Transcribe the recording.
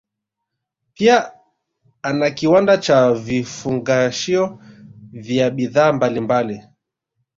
Pia ana kiwanda cha vifungashio vya bidhaa mbalimbali